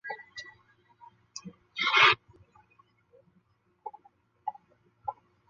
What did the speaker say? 睡眠模式的优越性在于从睡眠中恢复要比从休眠中恢复快得多。